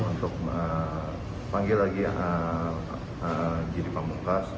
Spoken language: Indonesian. untuk panggil lagi giri pamungkas